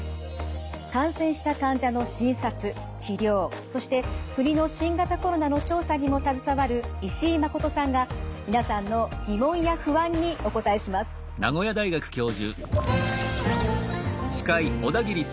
感染した患者の診察治療そして国の新型コロナの調査にも携わる石井誠さんが皆さんの疑問や不安にお答えします。